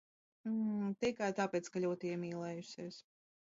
Tikai tāpēc, ka ļoti iemīlējusies.